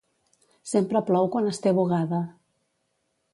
Sempre plou quan es té bugada.